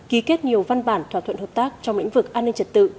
đảng chính phủ ký kết nhiều văn bản thỏa thuận hợp tác trong lĩnh vực an ninh trật tự